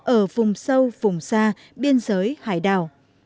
ở vùng sâu vùng xa biên giới hải đảo